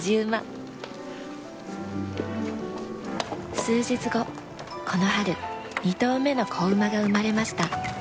数日後この春２頭目の子馬が生まれました。